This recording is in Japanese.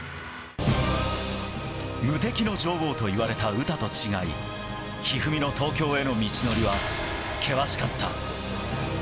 無敵の女王といわれた詩と違い一二三の東京への道のりは厳しかった。